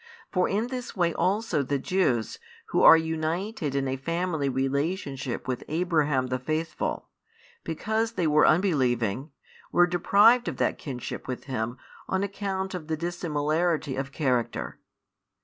For in this way also the Jews, who are united in a family relationship with Abraham the faithful, because they were unbelieving, were deprived of that kinship with him on account of the dissimilarity of character.